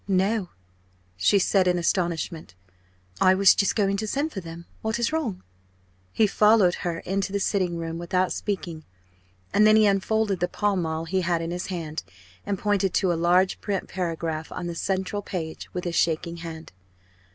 "No," she said in astonishment, "I was just going to send for them. What is wrong?" He followed her into the sitting room without speaking; and then he unfolded the Pall Mall he had in his hand and pointed to a large print paragraph on the central page with a shaking hand.